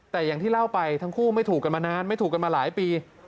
แต่อย่างที่เล่าไปทั้งคู่ไม่ถูกกันมานานไม่ถูกกันมาหลายปี